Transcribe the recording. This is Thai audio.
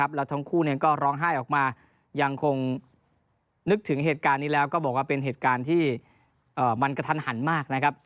ผลการณ์ที่มันกระทันหันมากนะครับ